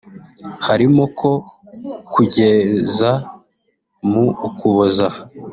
harimo ko kugeza mu Ukuboza